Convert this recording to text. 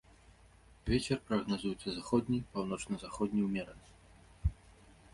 Вецер прагназуецца заходні, паўночна-заходні ўмераны.